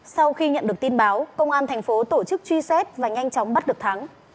sau khi nhận được tin báo công an tp tổ chức truy xét và nhanh chóng bắt được thắng